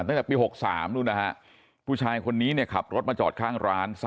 ตั้งแต่ปี๖๓นู่นนะฮะผู้ชายคนนี้เนี่ยขับรถมาจอดข้างร้าน